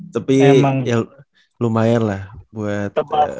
tapi lumayan lah buat